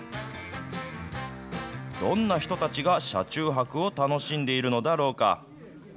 どんな人たちが車中泊を楽しんでいるのだろうか。